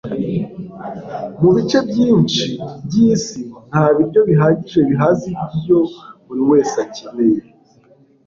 mu bice byinshi byisi, nta biryo bihagije bihaza ibyo buri wese akeneye